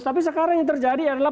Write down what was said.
tapi sekarang yang terjadi adalah